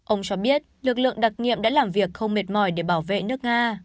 ông cho biết lực lượng đặc nhiệm đã làm việc không mệt mỏi để bảo vệ nước nga